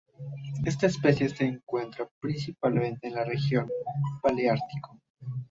Esta especie se encuentra principalmente en la región Paleártico.